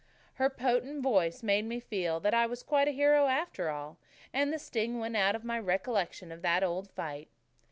Her potent voice made me feel that I was quite a hero after all, and the sting went out of my recollection of that old fight.